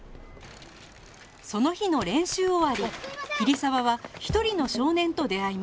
その日の練習終わり桐沢は一人の少年と出会います